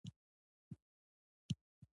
تنور د افغاني کورنۍ خوږ دود دی